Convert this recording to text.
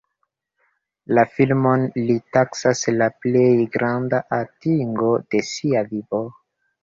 La filmon li taksas la plej granda atingo de sia vivo.